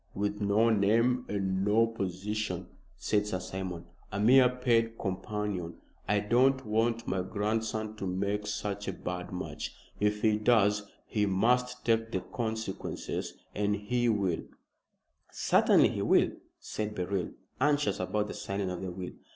"With no name and no position," said Sir Simon, "a mere paid companion. I don't want my grandson to make such a bad match. If he does, he must take the consequences. And he will " "Certainly he will," said Beryl, anxious about the signing of the will.